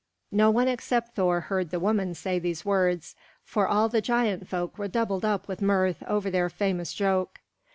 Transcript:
No one except Thor heard the woman say these words, for all the giant folk were doubled up with mirth over their famous joke.